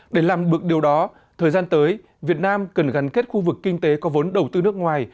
để làm bực điều đó thời gian tới việt nam cần gắn kết khu vực kinh tế có vốn đầu tư nước ngoài